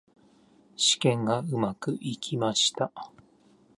試験がうまくいきました。